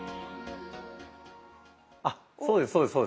あっそうですそうです。